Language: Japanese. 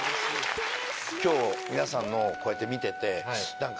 今日皆さんのこうやって見てて何か。